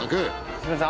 すみません